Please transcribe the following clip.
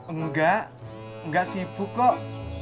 enggak enggak sibuk kok